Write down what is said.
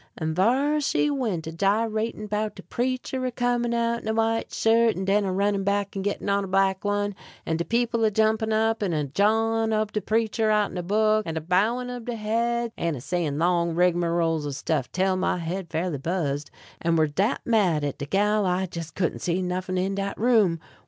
And thar she went a giratin' 'bout de preacher a comin' out in a white shirt, and den a runnin' back and gittin' on a black one, and de people a jumpin' up and a jawin' ob de preacher outen a book, and a bowin' ob deir heads, and a saying long rigmaroles o' stuff, tell my head fairly buzzed, and were dat mad at de gal I jes' couldn't see nuffin' in dat room.